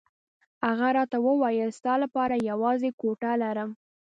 هغه راته وویل ستا لپاره یوازې کوټه لرم.